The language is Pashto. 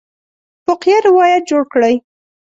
فقیه روایت جوړ کړی.